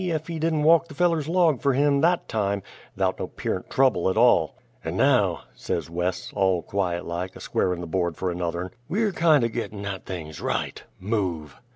ef he didn't walk the feller's log fer him that time, 'thout no 'pearent trouble at all! "And, now," says Wes, all quiet like, a squarin' the board fer another'n, "we're kindo' gittin' at things right. Move."